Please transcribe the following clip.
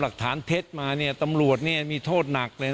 หลักฐานทิศมาเนี้ยตำรวจเนี้ยมีโทษหนักเลยน่ะ